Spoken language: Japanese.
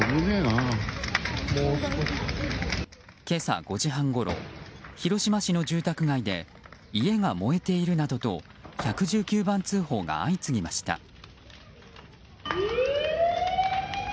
今朝５時半ごろ広島市の住宅街で家が燃えているなどと１１９番通報が相次ぎました。